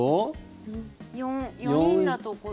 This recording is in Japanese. ４人のところ。